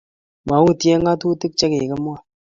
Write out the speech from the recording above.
Ma-Utie Ng'atutiguk che kikimwa